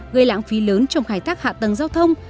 gây lãng phí lớn trong khai thác hạ tầng giao thông